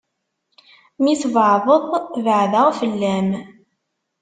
Mi tbaɛdeḍ, beɛdeɣ fell-am.